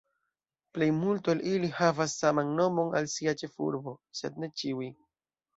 Plejmulto el ili havas saman nomon al sia ĉefurbo, sed ne ĉiuj.